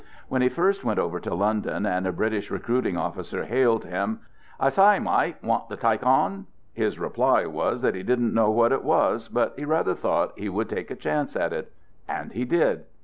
When he first went over to London, and a British recruiting officer hailed him: " I s'y, myte, want to tyke on ?" his reply was that he didn't know what it was, but he rather thought he Would take a chance at it. And he did.